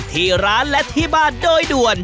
ที่ร้านและที่บ้านโดยด่วน